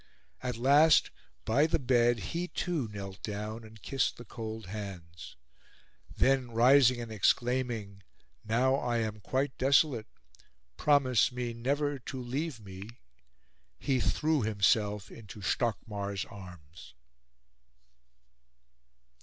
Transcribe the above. At last, by the bed, he, too, knelt down and kissed the cold hands. Then rising and exclaiming, "Now I am quite desolate. Promise me never to leave me," he threw himself into Stockmar's arms.